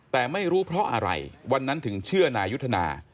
แต่ไม่รู้เพราะอะไรวันนั้นถึงเชื่อนายุทธนา